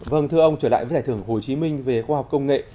vâng thưa ông trở lại với giải thưởng hồ chí minh về khoa học công nghệ